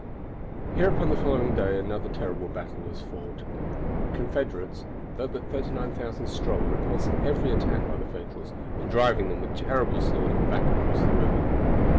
Here upon the following day another terrible battle was fought; the Confederates, though but 39,000 strong, repulsing every attack by the Federals, and driving them with terrible slaughter back across the river.